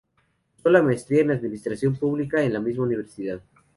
Cursó la Maestría en Administración Pública en la misma universidad.